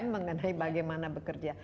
mengenai bagaimana bekerja